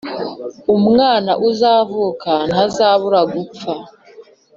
umwana uzavuka ntazabura gupfa.